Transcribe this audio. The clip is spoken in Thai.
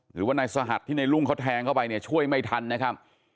หรือว่านายสหัสที่ในรุ่งเขาแทงเข้าไปเนี่ยช่วยไม่ทันนะครับ